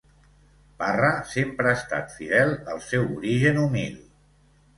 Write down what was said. Parra sempre ha estat fidel al seu origen humil.